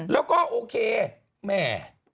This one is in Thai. แล้วก็โอเคแม่